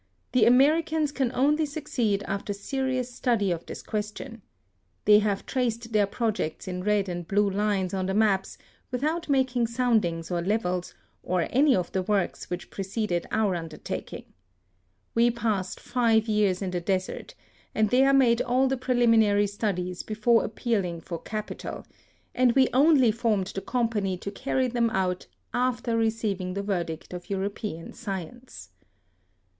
The Americans can only succeed after serious study of this question. They have traced their projects in red and blue lines on the map without making soundings or levels, or any of the works which preceded our under taking. We passed five years in the desert, and there made all the preliminary studies before appealing for capital, and we only formed the company to carry them out after receiving the verdict of European science.